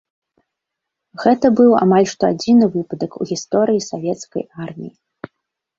Гэта быў амаль што адзіны выпадак у гісторыі савецкай арміі.